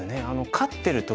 勝ってる時？